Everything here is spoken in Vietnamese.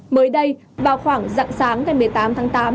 mới đây vào khoảng dặng sáng ngày một mươi tám tháng tám